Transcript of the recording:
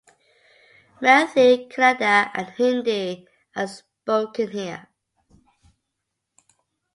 Marathi, Kannada and Hindi are spoken here.